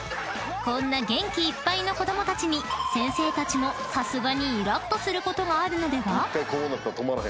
［こんな元気いっぱいの子供たちに先生たちもさすがにイラッとすることがあるのでは？］